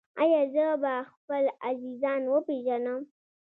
ایا زه به خپل عزیزان وپیژنم؟